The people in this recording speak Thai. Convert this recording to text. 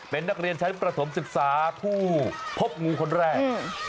เป็นนักเรียนชั้นประถมศึกษาผู้พบงูคนแรก